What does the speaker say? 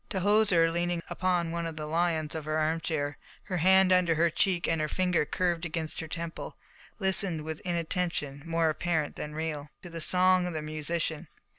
Tahoser, leaning upon one of the lions of her armchair, her hand under her cheek and her finger curved against her temple, listened with inattention more apparent than real, to the song of the musician.